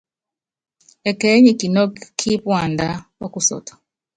Ɛkɛɛ́ nyi kinɔ́kɔ́ kí puandá ɔ́kusɔtɔ.